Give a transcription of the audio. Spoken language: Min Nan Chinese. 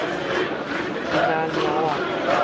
囡仔撓仔